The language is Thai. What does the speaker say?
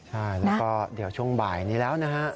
ใช่แล้วก็เดี๋ยวช่วงบ่ายนี้แล้วนะฮะ